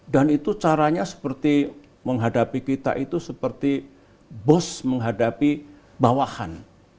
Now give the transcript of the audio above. dan itu caranya seperti menghadapi kita itu seperti bos menghadapi bawahan